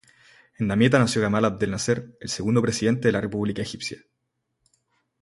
En Damieta nació Gamal Abdel Nasser, el segundo presidente de la república egipcia.